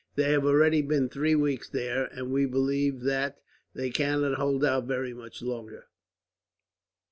They have already been three weeks there, and we believe that they cannot hold out very much longer.